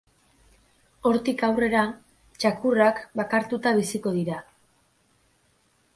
Hortik aurrera, txakurrak bakartuta biziko dira.